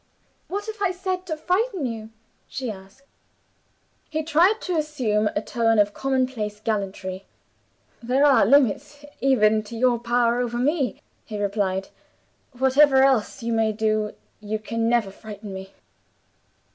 "What have I said to frighten you?" she asked. He tried to assume a tone of commonplace gallantry. "There are limits even to your power over me," he replied. "Whatever else you may do, you can never frighten me.